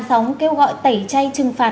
sống kêu gọi tẩy chay trừng phạt